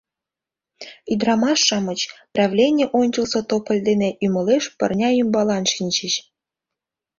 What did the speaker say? Ӱдырамаш-шамыч правлений ончылсо тополь дене ӱмылеш пырня ӱмбалан шинчыч.